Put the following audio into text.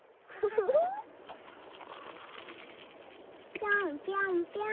ぴょんぴょんぴょん。